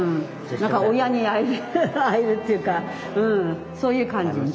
何か親に会えるっていうかうんそういう感じいつもね。